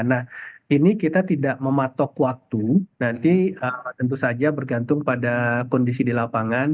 nah ini kita tidak mematok waktu nanti tentu saja bergantung pada kondisi di lapangan